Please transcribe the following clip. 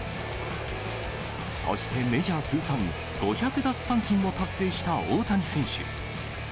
そしてメジャー通算５００奪三振を達成した大谷選手。